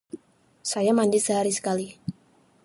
Saya mandi sehari sekali.